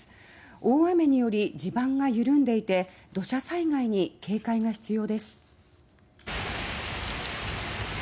大雨により地盤が緩んでいて土砂災害に警戒が必要です。